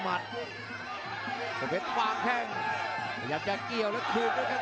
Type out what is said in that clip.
ประเภทมัยยังอย่างปักส่วนขวา